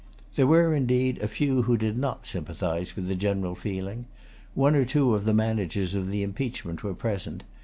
There were, indeed, a few who did not sympathize with the general feeling. One or two of the managers of the impeachment were present.